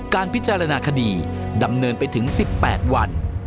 การพิจารณาคดีดำเนินไปถึง๑๘วัน